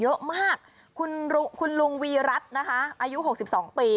เยอะมากคุณลุงวีรัฐนะคะอายุ๖๒ปี